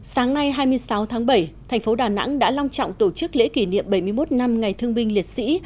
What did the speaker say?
sáng nay hai mươi sáu tháng bảy thành phố đà nẵng đã long trọng tổ chức lễ kỷ niệm bảy mươi một năm ngày thương binh liệt sĩ